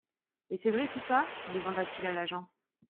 Et c'est vrai tout ça ? demanda-t-il à l'agent.